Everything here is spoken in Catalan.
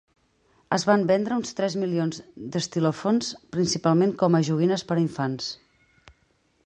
Es van vendre uns tres milions d'Stylophones, principalment com a joguines per a infants.